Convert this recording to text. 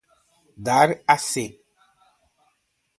Dar a C